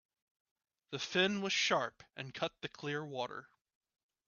The fin was sharp and cut the clear water.